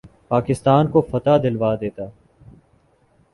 پاکستان کو فتح دلوا دیتا